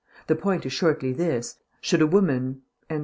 The point is shortly this. Should a woman ..."